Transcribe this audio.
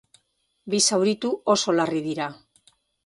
Bi zauritu oso larri dira.